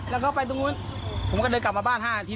แล้วก็ไปตรงนู้นผมก็เดินกลับมาบ้าน๕อาทิต